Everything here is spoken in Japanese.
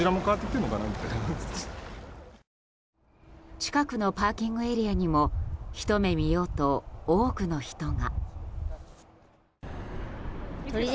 近くのパーキングエリアにもひと目見ようと多くの人が。